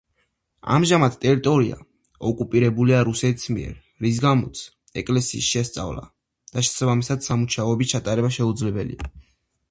ამჟამად ტერიტორია ოკუპირებულია რუსეთის მიერ, რის გამოც ეკლესიის შესწავლა და შესაბამისი სამუშაოების ჩატარება შეუძლებელია.